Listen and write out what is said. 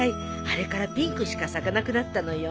あれからピンクしか咲かなくなったのよ。